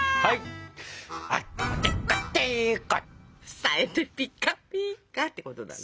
さえてピカピカってことだね。